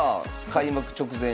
「開幕直前！